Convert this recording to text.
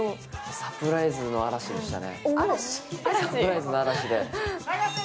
サプライズの嵐でしたね。